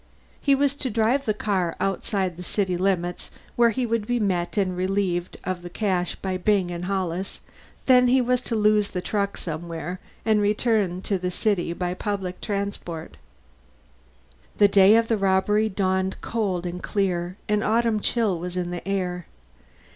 He was to drive the car far outside city limits, where he would be met and relieved of the cash by Byng and Hollis; then he was to lose the truck somewhere and return to the city by public transit. The day of the robbery dawned cold and clear; an autumn chill was in the air.